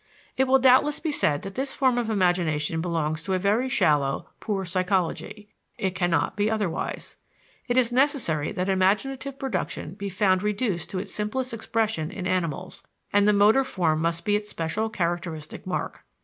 It will doubtless be said that this form of imagination belongs to a very shallow, poor psychology. It cannot be otherwise. It is necessary that imaginative production be found reduced to its simplest expression in animals, and the motor form must be its special characteristic mark.